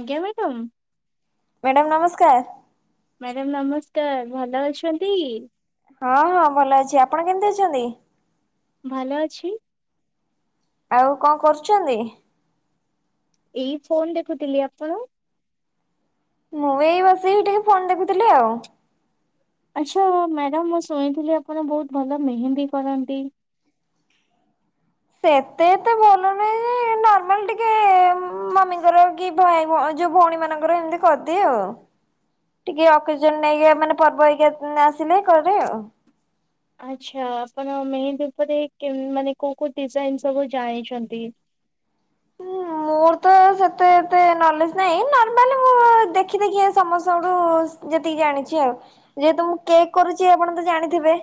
ଆଜ୍ଞା madam. Madam ନମସ୍କାର। Madam ନମସ୍କାର। ଭଲ ଅଛନ୍ତି? ହଁ ହଁ ଭଲ ଅଛି। ଆପଣ କେମିତି ଅଛନ୍ତି? ଭଲ ଅଛି। ଆଉ କଣ କରୁଛନ୍ତି? ଏଇ ଫୋନ୍ ଦେଖୁଥିଲି। ଆପଣ? ମୁଁ ଏଇ ବସିକି ଟିକେ ଫୋନ ଦେଖୁଥିଲି ଆଉ। ଆଚ୍ଛା ମ୍ୟାଡ଼ାମ ମୁଁ ଶୁଣିଥିଲି ଆପଣ ବହୁତ ଭଲ ମେହେନ୍ଦୀ କରନ୍ତି। ସେତେ ଏତେ ଭଲ ନୁହେଁ ଯେ ନର୍ମାଲ ଟିକେ ଉଁ ମମିଙ୍କର। କି ଭାଇ ଭ ଯୋଉ ଭଉଣୀମାନଙ୍କର ଏମିତି କରିଦିଏ ଆଉ। ଟିକେ ଅକେଜନ ନେଇକି ଆ ମାନେ ପର୍ବ ହେରିକା ଉଁ ଆସିଲେ କରେ ଆଉ। ଆଛା ଆପଣ ମେହେନ୍ଦୀ ଉପରେ ମାନେ କୋଉଁ କୋଉଁ ଡିଜାଇନ ସବୁ ଜାଣିଛନ୍ତି? ହୁଁ। ମୋର ତ ସେତେ ଏତେ ନଲେଜ ନାହିଁ ନର୍ମାଲି ମୁଁ ଦେଖି ଦେଖି ସମସ୍ତଙ୍କଠୁ ଯେତିକି ଜାଣିଛି ଆଉ ଯେହେତୁ ମୁଁ କେକ୍ କରୁଛି ଆପଣ ତ ଜାଣିଥିବେ?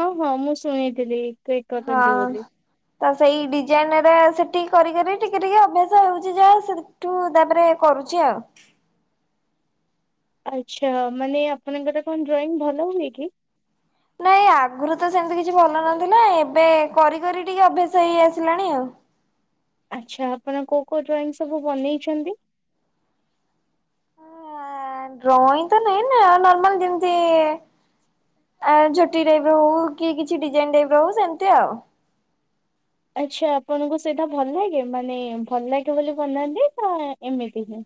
ହଁ ହଁ ମୁଁ ଶୁଣିଥିଲି। କେକ୍ ହଁ କରନ୍ତି ବୋଲି। ତ ସେଇ ଡିଜାଇନରେ ସେଠିକି କରିକରି ଟିକେ ଟିକେ ଅଭ୍ୟାସ ହଉଛି ଯାହା ସେଉଠୁ ତାପରେ କରୁଛି ଆଉ। ଆଛା ମାନେ ଆପଣଙ୍କର କଣ ଡ୍ରଇଂ ଭଲ ହୁଏ କି? ନାଇଁ ଆଗରୁ ତ ସେମତି କିଛି ଭଲ ନଥିଲା ଏବେ କରି କରି ଟିକେ ଅଭ୍ୟାସ ହେଇ ଆସିଲାଣି ଆଉ। ଆଛା ଆପଣ କୋଉଁ କୋଉଁ ଡ୍ରଇଂ ସବୁ ବନେଇଛନ୍ତି? ଡ୍ରଇଂ ତ ନହିଁ ନା ନର୍ମାଲ ଯେମିତି ଆ ଝୋଟି ଟାଇପ୍ ର ହଉ କି କିଛି ଡିଜାଇନ ଟାଇପର୍ ହଉ ସେମତି ଆଉ। ଆଛା ଆପଣଙ୍କୁ ସେଇଟା ଭଲ ଲାଗେ? ମାନେ ଭଲ ଲାଗେ ବୋଲି ବନାନ୍ତି ନା ଏମିତି ହିଁ।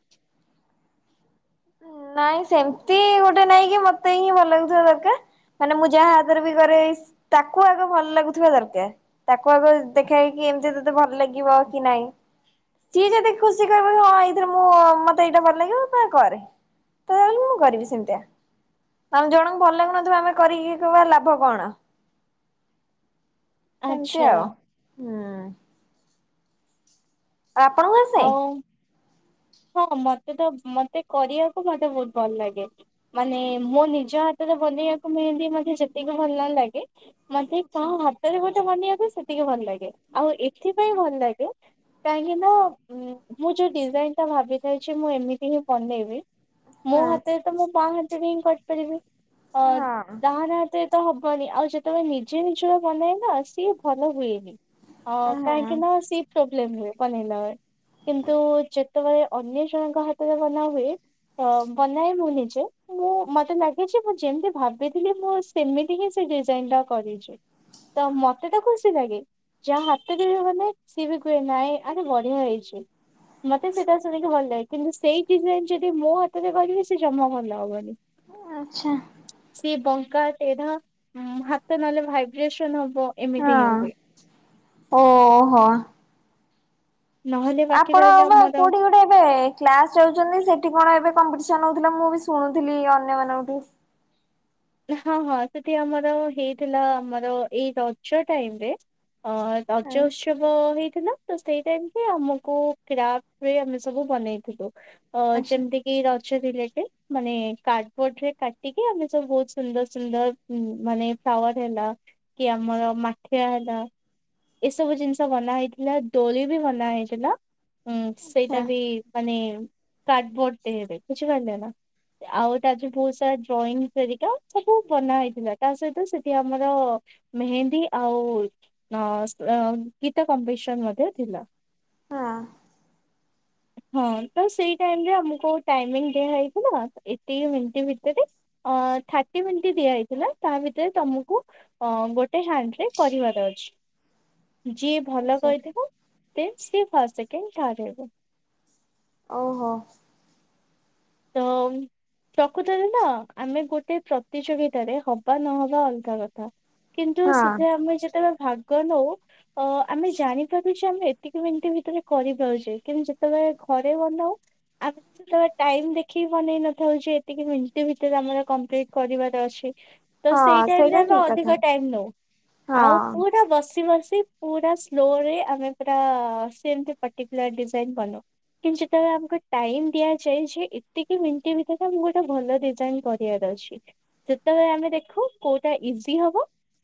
ନାଇଁ ସେମତି ଗୋଟେ ନାଇଁ କି ମତେିଁ ହିଁ ଭଲ ଲାଗୁଥିବା ଦରକାର୍ ମାନେ ମୁଁ ଯାହା ହାତରେ ବି କରେ, ତାକୁ ଆଗ ଭଲ ଲାଗୁଥିବା ଦରକାର୍। ତାକୁ ଆଗ ଦେଖାଏକି, ଏମିତି ତତେ ଭଲ ଲାଗିବ କି ନାଇଁ? ସିଏ ଯେତିକି ଖୁସି କହିବ କି ହଁ ଏଇଥିରେ ମୁଁ ମତେ ଏଇଟା ଭଲ ଲାଗିବ ମୁଁ କରେ। ତାହେଲେ ମୁଁ କରିବି ସେମିତିଆ, ଜଣଙ୍କୁ ଭଲ ଲାଗୁନଥିବ ଆମେ କରିକି କି ବା ଲାଭ କଣ? ସେମିତି ଆଚ୍ଛା ଆଉ, ହୁଁ। ଆ ଆପଣଙ୍କୁ ଆସେ? ଆଉ ହଁ ମତେ ତ ମତେ କରିଆକୁ ମତେ ବହୁତ ଭଲ ଲାଗେ। ମାନେ ମୋ ନିଜ ହାତରେ ବନେଇଆକୁ ମେହେନ୍ଦୀ ମତେ ଯେତିକି ଭଲ ନ ଲାଗେ ମତେ କଣ ହାତରେ ଗୋଟେ ବନେଇବାକୁ ସେତିକେ ଭଲ ଲାଗେ ଆଉ ଏଥିପାଇଁ ଭଲ ଲାଗେ କାହିଁକିନା, ମୁଁ ଯୋଉଁ ଡିଜାଇନ୍ ତ ଭାବିଥାଇଛି ମୁଁ ଏମିତି ହିଁ ବନେଇବି, ମୋ ହଁ ହାତରେ ତ ମୋ ବାଁ ହାତରେ ହିଁ କରିପାରିବି। ଅ ହଁ ଡାହାଣ ହାତ ରେ ତ ହବନି, ଆଉ ଯେ ତମେ ନିଜେ ନିଜର ବନେଇବା ନା ସିଏ ଭଲ ହୁଏନି, ହଁ କାହିଁକି ନା ସିଏ ପ୍ରୋବ୍ଲେମ ହୁଏ ବନେଇଲା ବେଳେ, କିନ୍ତୁ ଯେତେବେଳେ ଅନ୍ୟ ଜଣଙ୍କ ହାତରେ ବନା ହୁଏ ତ ବନାଏ ମୁୁ ନିଜେ। ମୁଁ ମତେ ଲାଗେ ଯେ ମୁଁ ଯେମିତି ଭାବିଥିଲି, ମୁଁ ସେମିତି ହିଁ ସେ ଡିଜାଇନ ଟା କରିଛି। ତ ମତେ ତ ଖୁସି ଲାଗେ। ଯାହା ହାତରେ ବି ବନାଏ, ସିଏ ବି କୁହେ ନାଇଁ ଆରେ ବଢିଆ ହେଇଛି। ମତେ ସେଇଟା ଶୁଣିକି ଭଲ ଲାଗେ, କିନ୍ତୁ ସେଇ ଡିଜାଇନ ଯଦି ମୋ ହାତରେ କରିବି ସେ ଜମା ଭଲ ହବନି। ଓ ଆଛା। ସିଏ ବଙ୍କା, ତେଢା ହାତ ନହେଲେ ଭାଇବ୍ରେସନ ହବ ଏମିତି ହି ହଁ। ହୁଏ। ଓହୋ ହଁ। ନହେଲେ ବାକି ଆପଣ ରହିଲା ବା ମୋର କୋଉଁଠି ଗୋଟେ ଏବେ କ୍ଲାସ ଯାଉଛନ୍ତି ସେଠି କଣ ଏବେ କମ୍ପିଟିସନ ହଉଥିଲା, ମୁଁ ବି ଶୁଣୁଥିଲି ଅନ୍ୟମାନଙ୍କଠୁ। ହଁ ହଁ ସେଠି ଆମର ହେଇଥିଲା, ଆମର ଏଇ ରଜ ଟାଇମ ରେ ହଁ ରଜ ଉତ୍ସବ ହେଇଥିଲା। ତ ସେଇ ଟାଇମକି ଆମକୁ କ୍ରାପ୍ ରେ ଆମେ ସବୁ ବନେଇଥିବୁ, ତ ଆଚ୍ଛା ଯେମିତିକି ଏ ରଜ ରିଲେଟେଡ୍, ମାନେ କାର୍ଡବୋର୍ଡ ରେ କାଟିକି ଆମେ ସବୁ ସୁନ୍ଦର ସୁନ୍ଦର ମାନେ ଫ୍ଲାୱାର ହେଲା, କି ଆମର ମାଠିଆ ହେଲା ଏସବୁ ଜିନିଷ ବନା ହେଇଥିଲା, ଦୋଳି ବି ବନା ହେଇଥିଲା ଉଁ ଆଚ୍ଛା ସେଇଟା ବି ମାନେ କାର୍ଡବୋଡ ଦେହେରେ ବୁଝିପାରିଲେ ନା। ଆଉ ତା ଯଉ ବହୁତ ସାରା ଡ୍ରଇଂ ହେରିକା। ସବୁ ବନା ହେଇଥିଲା, ତା ସହିତ ସେଠି ଆମର ମେହେନ୍ଦୀ ଆଉ ହଁ ଅଂ ଗୀତ କମ୍ପିଟିସନ ମଧ୍ୟ ଥିଲା। ହଁ। ହଁ ତ ସେଇ ଟାଇମ୍ ରେ ଆମକୁ ଟାଇମିଂ ଦିଆଯାଇଥିଲା। ଏତିକ ମିନିଟ ଭିତରେ ଅ ଥାର୍ଟି ମିଣ୍ଟି ଦିଆଯାଇଥିଲା। ତା ଭିତରେ ତମକୁ ହଁ ଗୋଟେ ହ୍ୟାଣ୍ଡ୍ ରେ କରିବାର ଅଛି। ଯିଏ ଭଲ ଆଚ୍ଛା କହିଥିବ ସେ ସିଏ ଫାଷ୍ଟ, ସେକେଣ୍ଡ, ଥାର୍ଡ଼ ହେବ। ଓହୋ। ତମ୍ ପ୍ରକୃତରେ ନା ଆମେ ଗୋଟେ ପ୍ରତିଯୋଗିତାରେ ହବା ନହବା ଅଲଗା କଥା। କିନ୍ତୁ ହଁ। ସେଥିରେ ଆମେ ଯେତେବେଳେ ଭାଗ ନଉ। ଓ ଆମେ ଜାଣିପାରୁଛେ ଯେ ଆମେ ଏତିକି ମିନିଟ୍ ଭିତରେ କରିପାରୁଛେ, କିନ୍ତୁ ଯେତେବେଳେ ଘରେ ବନାଉ ଆମେ ଯେତେବେଳେ ଟାଇମ୍ ଦେ ଦେଖି ବନେଇ ନଥାଉଛି ଏତିକି ମିତି ଭିତରେ ଆମର କମ୍ପ୍ଲିଟ କରିବାର ଅଛି। ତ ସେଇ ହଁ ଟାଇମ୍ ରେ ସେଇଟା ଆମେ ଠିକ କଥା ଅଧିକ ଟାଇମ୍ ନଉ ଆଉ ହଁ ପୁରା ବସି ବସି। ପୁରା ସ୍ଲୋ ରେ ଆମେ ପୁରା ସେମ୍ ତି ପର୍ଟିକୁଲାର ଡିଜାଇନ ବନାଉ। କିନ୍ତୁ ଯେତେବେଳେ ଆମକୁ ଟାଇମ୍ ଦିଆଯାଇଛି। ସେତିକି ମିଣ୍ଟି ଭିତରେ ମୁଁ ଗୋଟେ ଭଲ ଡିଜାଇନ କରିବାର ଅଛି। ସେତେବେଳେ ଆମେ ଦେଖୁ କୋଉଟା ଇଜି ହବ।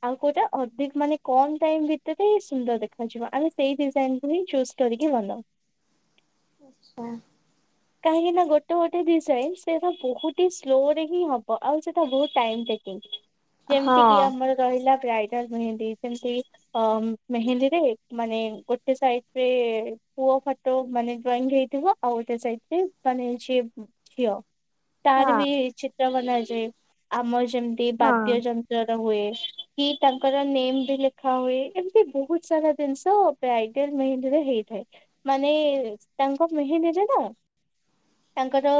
ଆଉ କୋଉଟା ଅଧିକ ମାନେ କ ଟାଇମ୍ ଭିତରେ ସୁନ୍ଦର ଦେଖାଯିବ ଆମେ ସେଇ ଡିଜାଇନ କୁ ହିଁ ଚୁ କରିକି ଭଲ। ଆଛା। କାହିଁକି ନା ଗୋ ଗୋଟେ ଗୋଟେ ଡିଜାଇନ ସେଇଟା ବହୁତ ହି ସ୍ଲୋ ରେ ହିଁ ହବ ଆଉ ସେଟା ବହୁତ ଟାଇମ ଟେକିଂ। ଯେମ୍ ତି କି ହଁ ଆମର ରହିଲା ବ୍ରାଇଡାଲ ମେହେନ୍ଦୀ, ଯେମତି ଅ ମେହେନ୍ଦୀରେ ମାନେ ଗୋଟେ ସାଇଡରେ ପୁଅ ଫଟ ତ ମାନେ ଡ୍ରଇଂ ହେଇଥିବ ଆଉ ଗୋଟେ ସାଇ ରେ ମାନେ ଝିଅ। ହଁ ତାର ବି ଚିତ୍ର ବନାଯାଏ, ଆମ ଯେମିତି ହଁ ବାଦ୍ୟ ଯନ୍ତ୍ରରେ ହୁଏ। କି ତାଙ୍କର ନେମ ବି ଲେଖା ହୁଏ ଏମତି ବହୁତ ସାରା ଜିନିଷ ଆଇଡଲ ମେଡିରେ ହେଇଥାଏ। ମାନେ ତାଙ୍କ ମେହେନ୍ଦୀରେ ତ? ତାଙ୍କର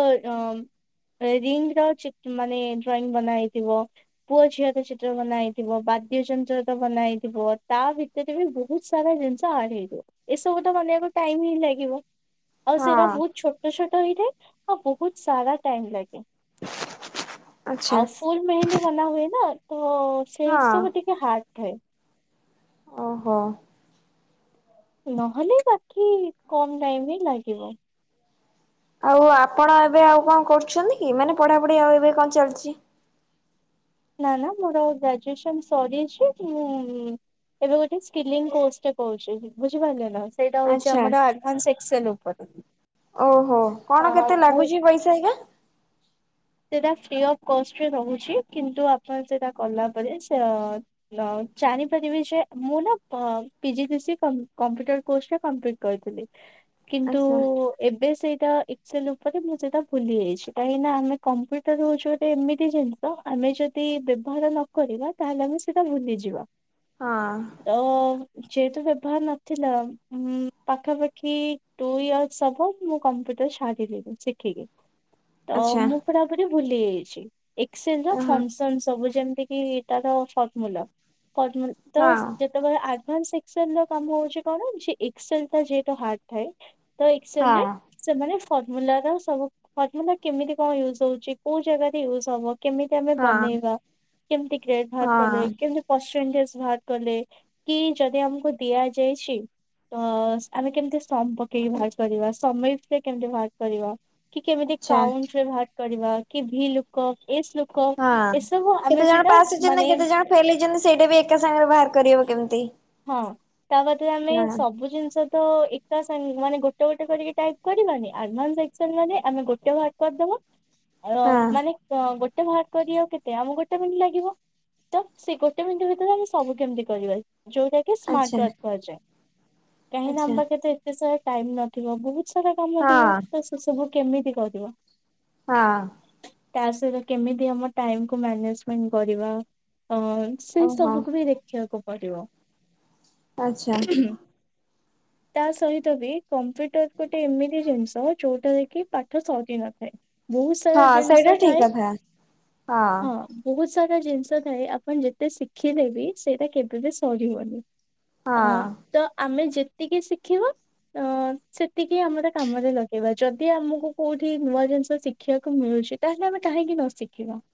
ରିଙ୍ଗ ର ଚି ମାନେ ଡ୍ରଇଂ ବନା ହେଇଥିବ। ପୁଅ ଝିଅ ତ ଚିତ୍ର ବନା ହେଇଥିବ ବାଦ୍ୟଯନ୍ତ୍ର ତ ବନା ହେଇଥିବ ତା ଭିତ ଭିତରେ ବି ବହୁତ ସାରା ଜିନିଷ ଆଡ ହେଇଯିବ ଏସବୁ ତ ବନେଇବାକୁ ଟାଇମ ହିଁ ଲାଗିବ। ଆଉ ସେଇଟା ହଁ ବହୁତ ଛୋଟ ଛୋଟ ହେଇଥାଏ, ଆଉ ବହୁତ ସାରା ଟାଇମ ଲାଗେ। ଆଚ୍ଛା ଆଉ ଫୁଲ ମେହେନ୍ଦୀ ବନା ହୁଏ ନା, ତ ସେଇ ହଁ ସବୁ ଟିକେ ହାର୍ ଥାଏ। ଓହୋ। ନହେଲେ ବାକି କମ୍ ଟାଇମ୍ ରେ ଲାଗିବ। ଆଉ ଆପଣ ଏବେ ଆଉ କଣ କରୁଛନ୍ତି କି ମାନେ ପଢାପଢି ଆଉ ଏବେ କଣ ଚାଲିଚି? ନା ନା ମୋର ଗ୍ରାଜୁଏସନ ସରିଛି। ମୁଁ ଏବେ ଗୋଟେ ସ୍କିଲ କୋସରେ କହୁଛି ବୁଝିପାରିଲେ ନା? ସେଇଟା ହଉଛି ଆଚ୍ଛା ଆମର ଆଡଭାନ୍ସ ଏକ୍ସେଲ ଉପରେ। ଓହୋ ଅ କଣ କେତେ ମୁଁ ଲାଗୁଛି ପଇସା ଆଜ୍ଞା। ସେଟା ଫ୍ରି ଅଫ କଷ୍ଟରେ ରହୁଛି। କିନ୍ତୁ ଆପଣ ସେଟା କଲା ପରେ ସେ ଅ ଜାଣିପରିବେ ଯେ, ମୁଁ ନା ପି ଜି ଡି ସି କମ କମ୍ପ୍ୟୁଟର କୋର୍ସ ଟା କମ୍ପ୍ଲିଟ କହୁଥିଲି। କିନ୍ତୁ ଆଚ୍ଛା ଏବେ ସେଇଟା ଏକ୍ସେଲ୍ ଉପରେ ମୁଁ ସେଇଟା ଭୁଲି ଯାଇଛି। କାହିଁକି ନା ଆମେ କମ୍ପ୍ୟୁଟର ହଉଛି ଗୋଟେ ଏମିତି ଜିନିଷ, ଆମେ ଯଦି ବ୍ୟବହାର ନ କରିବା ତାହେଲେ ଆମେ ସେଟା ଭୁଲିଯିବ। ହଁ। ତ ଯେହେତୁ ବ୍ୟବହାର ନଥିଲା ଉ ପାଖାପାଖି ଟୁ ଇୟର୍ସ ସବୁ ମୁଁ କମ୍ପ୍ୟୁଟର ସାରିଲିଣି ଶିଖିକି। ହଁ। ତ ମୁଁ ପୁରାପୁରି ଭୁଲି ଯାଇଛି ଏକ୍ସସେଲ ର ଓହୋ ଫଙ୍ଗ ମନ ସବୁ ଯେମିତି କି ତା ର ଫର୍ମୁଲା‌ ଫମୁ ତ ହଁ ଜେ ତ ଆଡଭାନ୍ସ ଏକ୍ସଲ ର କାମ ହଉଛି କଣ ଜେ ଏକ୍ସଲ ଟା ଯେହେତୁ ହାର୍ଡ ଥାଏ। ତ ଏକ୍ସସେଲ ରେ ହଁ ସେମାନେ ଫର୍ମୁଲାର ସବୁ ଫର୍ମୁଲା କେମିତି କଣ ୟୁଜ ହଉଛି କୋଉ ଜାଗା ରେ ୟୁଜ ହବ, କେମିତି ଆମେ ହଁ ବନେଇବା, କେମତି ଗ୍ରେଡ ଭାର ହଁ କଲେ, କେମତି ପରସେଣ୍ଟେଜ ବାହାର କଲେ କି ଯଦି ଆମକୁ ଦିଆ ଯାଇଛି। ତ ଆମେ କେମତି ସମ ପକେଇକି ବାହାର କରିବା ସମେଫ କେମିତି ବାହାର କରିବା। କି କେମିତି ଆଚ୍ଛା କାଉଣ୍ଟରେ ବାହାର କରିବା, କି ଭି ଲୋ ଏସ ଲୋ କ ହଁ ଏସବୁ ଆମେ ସେଇଟା ମାନେ କଇଲେ ଯେମତି ସେଇଟା ବି ଏକା ସାଙ୍ଗରେ ବାହାର କରିହବ କେମିତି? ହଁ ତା ବାଦ ଆମେ ହଁ ସବୁ ଜିନିଷ। ତ ଏକାସାଙ୍ଗ ମାନେ ଗୋଟେ ଗୋଟେ କରିକି ଟାଇପ କରିବାନି ଆଡାଭାନସ ଏକ୍ସଲ ମାନ ଆମେ ଗୋଟେ ଭାର କରିଦବା। ଅ ହଁ ମାନେ କ ଗୋଟେ ଭାର। କରିବାକୁ କେତେ ଆମକୁ ଗୋଟେ ମିନିଟ୍ ଲାଗିବ ତ ସେ ଗୋଟେ ମିନିଟ୍ ଭିତରେ ଆମେ ସବୁ କେମିତି କରିବା। ଯୋଉଟା କି ସ୍ମାର୍ଟ ଆଚ୍ଛା ୱାର୍କ କୁହାଯାଏ କାହିଁକି ନା ଆଚ୍ଛା ଆମ ପାଖରେ ତ ଏତେ ସାରା ଟାଇମ ନଥିବ ବହୁ ସରା କାମ ଥିବ ହଁ ତ ସେ ସବୁ କେମିତି କରିବା। ହଁ। ତା ସହିତ କେମିତି ଆମ ଟାଇମକୁୁ ମ୍ୟାନେଜମେଣ୍ଟ କରିବା କଣ। ସେଇ ଓହୋ ସବୁକୁୁ ବି ଦେଖିବାକୁ ପଡିବ। ଆଚ୍ଛା। ତା ସହିତ ବି କମ୍ପ୍ୟୁଟର ଗୋଟେ ଏମିତି ଜିନିଷ। ଯୋଉଟା ରେ କି ପାଠ ସରି ନଥାଏ। ବହୁତ ସାରା ହଁ ସେଇଟା ଜିନିଷ ଠିକ ଥାଏ କଥା ହଁ। ବହୁତ ସାରା ଜିନିଷ ଥାଏ ଆପଣ ଯେତେ ଶିଖିଲେ ବି ସେଇଟା କେବେ ବି ସରିବନି। ଅ ହଁ। ତ ଆମେ ଯେତିକି ଶିଖିବା। ଆ ସେତିକି ଆମର କାମରେ ଲଗେଇବା ଯଦି ଆମକୁ କୋଉଠି ନୂଆ ଜିନିଷ ଶିଖିବାକୁ ମିଳୁଛି। ତାହେଲେ ଆମେ କାହିଁକି ନ ଶିଖିବା।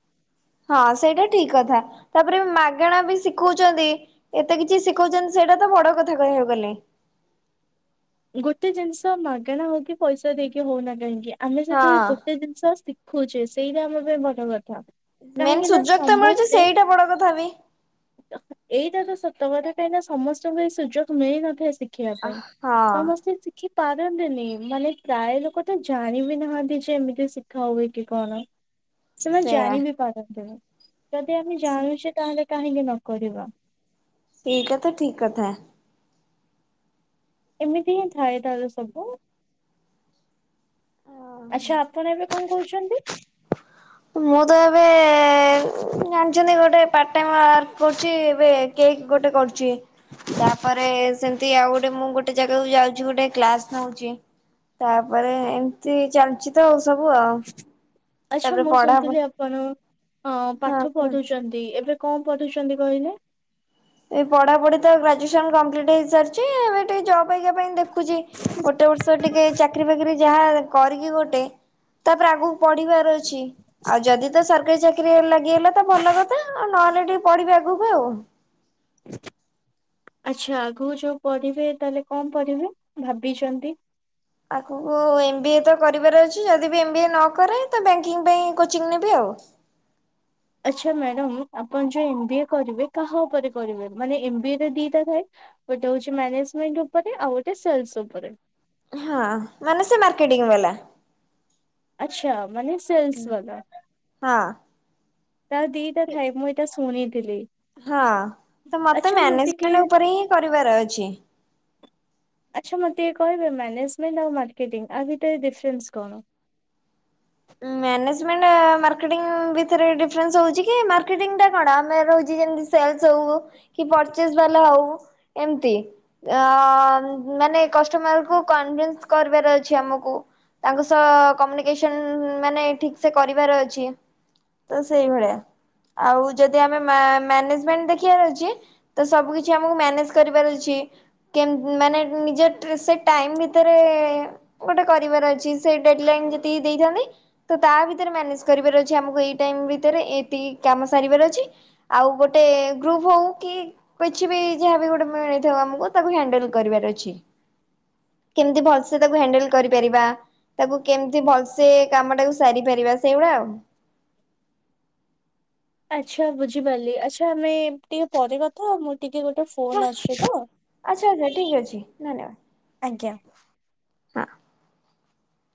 ହଁ ସେଇଟା ଠିକ କଥା ତାପରେ ମାଗଣା ବି ଶିଖଉଛନ୍ତି। ଏତେ କିଛି ଶିଖଉଛନ୍ତି ସେଇଟା ତ ବଡ କଥା କହିବାକୁ ଗଲେ। ଗୋଟେ ଜିନିଷ ମାଗଣା ହଉ କିି ପଇସା ଦେଇକି ହଉନା କାହିଁକି ଆମେ ସେଠି ହଁ ଗୋଟେ ଜିନିଷ ସି ଖୁଚେ ସେଇଟା ଆମ ପାଇଁ ବଡ କଥା। ମେନ୍ କାହିଁକି ନା ସୁଯୋଗ ତ ମିଳୁଛି ସମସ୍ତେ ସେଇଟା ବଡ କଥା ବି। ଏଇଟା ତ ସତ କଥା କାହିଁକି ନା ସମସ୍ତଙ୍କୁ ଏ ସୁଯୋଗ ମିଳିନଥାଏ ଶିଖିବା ପାଇଁ। ହଁ ସମସ୍ତେ ଶିଖି ପାରନ୍ତିନି ମାନେ ପ୍ରାୟ ଲୋକ ତ ଜାଣିବି ନାହାନ୍ତି ଯେ ଏମିତି କିଛି ଶିଖା ହୁଏ କି କଣ ‌। ସେମାନେ ସେଇଆ ଜାଣ ବି ପାରନ୍ତିନ୍ତିମି ଯଦି ଆମେ ଜଣୁଛେ ତାହେଲେ। କାହିଁକି ନକରିବା। ସେଇ କଥା ଠିକ କଥା। ଏମିତି ହିଁ ଥାଏ ତାର ସବୁ। ଓହୋ ଆଚ୍ଛା ଆପଣ ଏବେ କଣ କରୁଛନ୍ତି ମୁଁ ତ ଏବେ। ଉ ଜାଣିଛନ୍ତି ଗୋଟେ ପାଟ ଟାଇମ ୱାର୍କ କରୁଛି ଏବେ କେକ୍ ଗୋଟେ କରୁଛି। ତାପରେ ସେମତି ଆଉ ଗୋଟେ ମୁଁ ଗୋଟେ ଜାଗାକୁ ଯାଉଛି ଗୋଟେ କ୍ଲାସ ନଉଛି। ତାପରେ ଏମିତି ଚାଲିଛି ତ ଆଉ ସବୁ ଆଉ। ଆଚ୍ଛା ତାପରେ ମୁଁ ପଢା ହଁ ଶୁଣିଥିଲି ଆପଣ ଅ ପାଠ କୁହ। ପଢୁଛନ୍ତି ଏବେ। କଁ ପଢଠୁଛନ୍ତି କହିଲେ? ଏ ପଢ଼ାଢ଼ି ତ ଗ୍ରାଜୁଏସନ୍ କମ୍ପ୍ଲିଟ୍ ହେଇସାରିଛି ଏବେ ଟିକେ ଜବ୍ ହେଇକା ପାଇଁ ଦେ ଦେଖୁଛି ଗୋଟେ ବର୍ଷ ଟିକେ ଚାକିରି ଫାକିରି ଯାହା କରିକି ଗୋଟେ। ତାପରେ ଆଗକୁ ପଢିବାର ଅଛି। ଆଉ ଯଦି ତ ସରକାରୀ ଚାକିରି ଲାଗିଗଲା ତ ଭଲ କଥା। ଆଉ ନହେଲେ ଟିକେ ପଢିବେ ଆଗକୁ ଆଉ। ଆଚ୍ଛା ଆଗକୁ ଯୋଉ ପଢିବେ ତାହେଲେ କଣ ପଢିବେ ଭାବିଛନ୍ତି? ଆଗକୁ ଏମ୍ ବି ଏ ତ କରିବାର ଅଛି। ଯଦି ବି ଏମ୍ ବି ଏ ନକରେ ତ ବ୍ୟାଙ୍କିଙ୍ଗ ପାଇଁ କୋଚିଂ ନେବି ଆଉ। ଆଚ୍ଛା ମ୍ୟାଡାମ ଆପଣ ଯୋଉ ଏମ୍ ବି ଏ କରିବେ କାହା ଉପରେ କରିବେ? ମାନେ ଏମ ବି ଏ ଦିଟା ଥାଏ। ଗୋଟେ ହଉଛି ମ୍ୟାନେଜମେଣ୍ଟ ଉପରେ ଆଉ ଗୋଟେ ସେଲସ ଉପରେ। ହଁ ମାନେ ସେ ମାର୍କେଟିଂ ବାଲା। ଆଚ୍ଛା ମାନେ ସେଲସ ବାଲା। ହଁ। ତାର ଦିଟା ଥାଏ ମୁଁ ଏଇଟା ଶୁଣିଥିଲି। ହଁ ତ ମତେ ଆଚ୍ଛା ଟିକେ ମ୍ୟାନେଜମେଣ୍ଟ ଉପରେ ହିଁ କରିବାର ଅଛି। ଆଚ୍ଛା ମତେ ଟିକେ କହିବେ, ମାନେଜମେଣ୍ଟ ଆଉ ମାର୍କେଟିଂ ଆ ଭିତରେ ଡିଫରେନ୍ସ କଣ? ମ୍ୟାନେଜମେଣ୍ଟ ମାର୍କେଟିଂ ଭିତରେ ଡିଫରେନ୍ସ ହଉଚି କି, ମାର୍କେଟିଂ ଟା କଣ ଆମେ ରହୁଚି ଯେମତି ସେଲସ ହଉ କି ପରଚେସ୍ ବାଲା ହଉ ଏମିତି। ଅ ମାନେ କଷ୍ଟମର କୁ କନଭେନ୍ସ କରିବାର ଅଛି ଆମକୁ। ତାଙ୍କ ସହ କମ୍ୟୁନିକେସନ ମାନେ ଠିକ୍ ସେ କରିବାର ଅଛି, ତ ସେଇଭଳିଆ। ଆଉ ଯଦି ଆମେ ମା ମ୍ୟାନେଜମେଣ୍ଟ ଦେଖିବାର ଅଛି ତ ସବୁ କିଛି ଆମକୁ ମ୍ୟାନେଜ କରିବାର ଅଛି। କେମ୍ ମାନେ ନିଜ ସେ ଟାଇମ୍ ଭିତରେ ଗୋଟେ କରିବାର ଅଛି ସେ ଡେଡ ଲାଇନ୍ ଯେତିକି ଦେଇଥାନ୍ତି ତ ତା ଭିତରେ ମ୍ୟାନେଜ କରିବାର ଅଛି ଆମକୁ ଏଇ ଟାଇମ୍ ଭିତରେ ଏତିକି କାମ ସାରିବାର ଅଛି। ଆଉ ଗୋଟେ ଗ୍ରୁପ ହଉ କି କିଛି ବି ଯାହାବି ଗୋଟେ ମିଳିଥାଉ ଆମକୁ ତାକୁ ହ୍ୟାଣ୍ଡଲ କରିବାର ଅଛି। କେମିତି ଭଲସେ ତାକୁ ହ୍ୟାଣ୍ଡେଲ କରିପାରିବା। ତାକୁ କେମିତି ଭଲ ସେ କାମଟାକୁ ସାରିପାରିବା ସେଇଭଳିଆ ଆଉ। ଆଚ୍ଛା ବୁଝିପାରିଲି। ଆଚ୍ଛା ଆମେ ଟିକେ ପରେ କଥା ହବା। ମୁଁ ଟିକେ ଗୋଟେ ଫୋନ ଆସୁଛି ତ ଆଚ୍ଛା ଆଚ୍ଛା ଠିଲ ଅଛି ଧନ୍ୟବାଦ। ଆଜ୍ଞା। [inaudible]